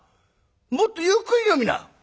もっとゆっくり飲みな」。